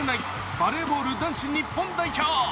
バレーボール男子日本代表。